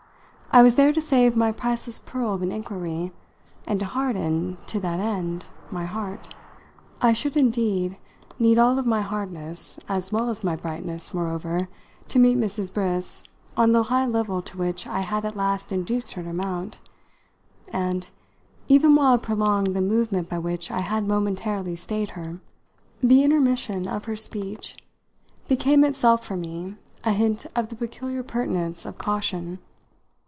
I was there to save my priceless pearl of an inquiry and to harden, to that end, my heart. I should need indeed all my hardness, as well as my brightness, moreover, to meet Mrs. Briss on the high level to which I had at last induced her to mount, and, even while I prolonged the movement by which I had momentarily stayed her, the intermission of her speech became itself for me a hint of the peculiar pertinence of caution.